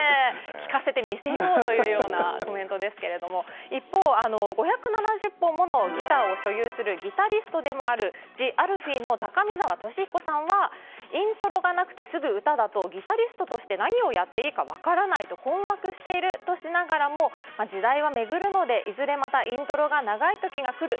聞かせてみせようというコメントですが一方、５７０本ものギターを所有するギタリストでもあるＴＨＥＡＬＦＥＥの高見沢俊彦さんはイントロがなくてすぐ歌だとギタリストとして何をやっていいか分からないと困惑しているとしながらも時代は巡るので、いずれまたイントロが長い時が来る。